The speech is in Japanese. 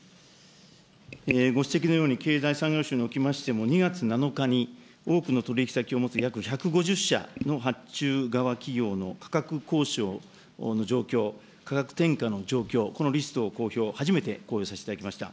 ご指摘のように、経済産業省におきましても、２月７日に、多くの取り引き先を持つ約１５０社の発注側企業の価格交渉の状況、価格転嫁の状況、このリストを公表、初めて公表させていただきました。